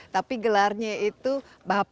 tapi gelarnya itu bapak datuk